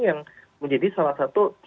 yang menjadi salah satu